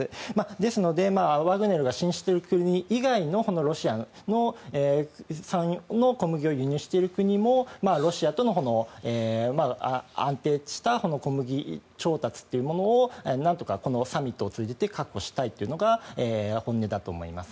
ですので、ワグネルが進出している国以外のロシア産の小麦を輸入している国もロシアとの安定した小麦調達というものをなんとか、このサミットを通じて確保したいというのが本音だと思います。